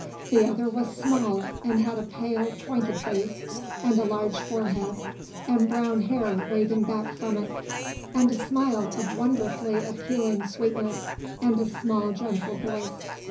The other was small, and had a pale, pointed face and a large forehead and brown hair waving back from it, and a smile of wonderfully appealing sweetness, and a small, gentle voice.